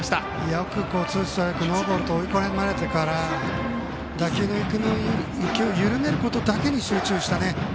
よくツーストライクノーボールと追い込まれてから打球の勢いを緩めることだけに集中して。